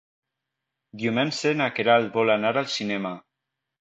Diumenge na Queralt vol anar al cinema.